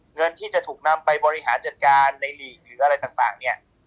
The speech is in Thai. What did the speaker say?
เงินที่จะถูกนำไปบริหารจัดการในหลีกหรืออะไรต่างเนี่ย